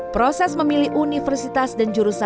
proses memilih universitas dan jurusan